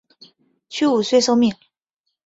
屈武遂受命。